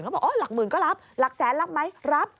บอกหลักหมื่นก็รับหลักแสนรับไหมรับ